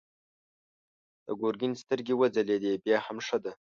د ګرګين سترګې وځلېدې: بيا هم ښه ده.